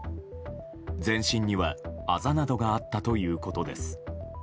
全身には、あざなどがあったということです。